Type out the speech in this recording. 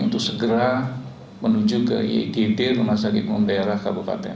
untuk segera menuju ke igd rumah sakit umum daerah kabupaten